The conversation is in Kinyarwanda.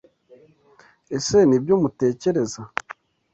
Ese Nibyo mutekereza?